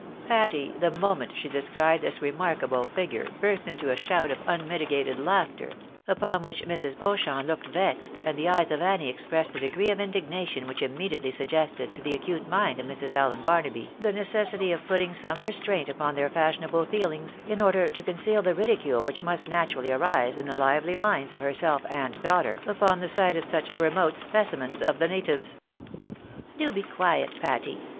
Patty, the moment she descried this remarkable figure, burst into a shout of unmitigated laughter ; upon which, Mrs. Beauchamp looked vexed, and the eyes of Annie expressed a degree of indigna tion which immediately suggested to the acute mind of Mrs. AUen Barnaby the necessity of putting some restraint upon their fashionable feelings, in order to conceal the ridicule which must naturally arise in the hvely minds of herself and daughter upon the sight of such "emote specimens of the natives. " Do be quiet, Patty